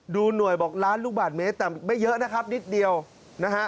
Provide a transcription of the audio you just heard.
ดูหน่วยบอกล้านลูกบาทเมตรแต่ไม่เยอะนะครับนิดเดียวนะฮะ